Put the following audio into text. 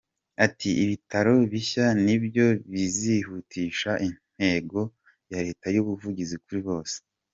Ati : “Ibitaro bishya nibyo bizihutisha intego ya Leta y’Ubuvuzi kuri bose.